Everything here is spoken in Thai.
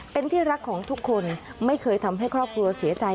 เป็นที่รักของทุกคนไม่เคยทำให้ครอบครัวเสียใจ